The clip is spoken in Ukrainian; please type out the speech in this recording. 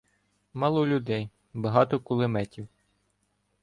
Мало людей — багато кулеметів.